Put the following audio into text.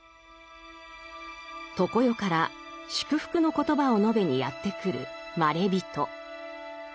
常世から「祝福の言葉」を述べにやって来るまれびと。